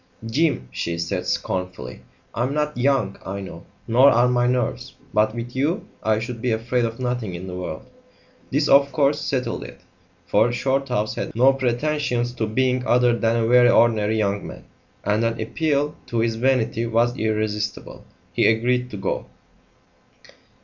"Jim," she said scornfully, "I'm not young, I know, nor are my nerves; but with you I should be afraid of nothing in the world!" This, of course, settled it, for Shorthouse had no pretensions to being other than a very ordinary young man, and an appeal to his vanity was irresistible. He agreed to go.